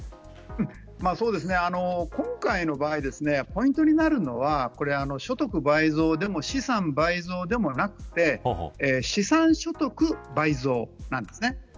今回の場合ポイントになるのは所得倍増でも資産倍増でもなく資産所得倍増なんですね。